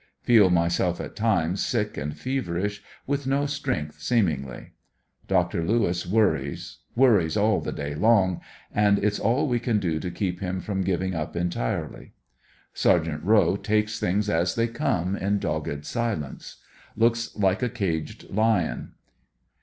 Feel myself at times sick and feverish with no strength seemingly. Dr. Lewis worries, worries, all the day long, and it's all we can do to keep him from giving up entirely. Sergt. Howe takes things as they come in dogged silence. Looks like a caged lion.